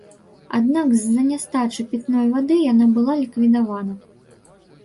Аднак з-за нястачы пітной вады яна была ліквідавана.